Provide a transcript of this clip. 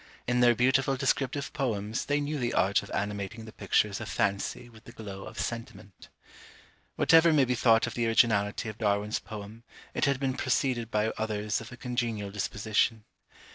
In their beautiful descriptive poems they knew the art of animating the pictures of FANCY with the glow of SENTIMENT. Whatever may be thought of the originality of Darwin's poem, it had been preceded by others of a congenial disposition.